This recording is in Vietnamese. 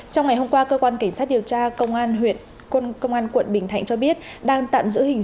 trong ngày hôm qua cơ quan cảnh sát điều tra công an quận bình thạnh cho biết đang tạm giữ hình